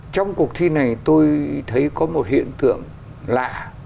trong cuộc thi này tôi thấy có một hiện tượng lạ